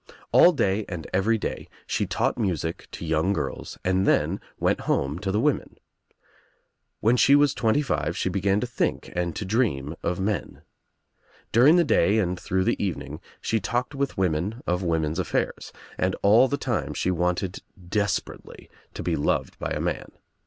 All day and every day she taught music to young girls and then went home to the women. When she was twenty five she began to think and to dream of men. During the day and through the evening she talked with women of women's affairs, and all the time she wanted desperately to be loved by a man.